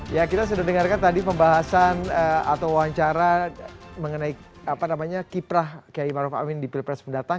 ya kita sudah dengarkan tadi pembahasan atau wawancara mengenai kiprah kiai maruf amin di pilpres mendatang